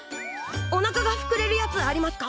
おなかがふくれるやつありますか？